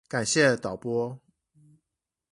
感謝導播